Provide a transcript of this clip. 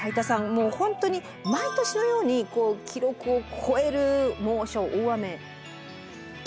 もう本当に毎年のように記録を超える猛暑大雨来てますよね。